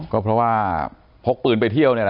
ก็เพราะว่าพกปืนไปเที่ยว